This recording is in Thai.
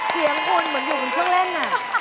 เสียงอุ่นเหมือนอยู่คุณเพิ่งเล่น